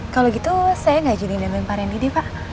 kalau gitu saya nggak jadi nemen pak rendy deh pak